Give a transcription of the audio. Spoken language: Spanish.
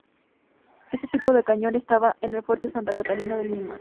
Este tipo de cañón estaba en el fuerte Santa Catalina en Lima.